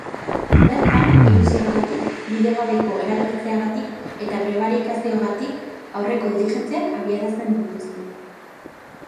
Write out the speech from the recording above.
Bertan, iruzurragatik, bidegabeko eralgitzeagatik eta prebarikazioagatik aurreko diligentziak abiarazten dituzte.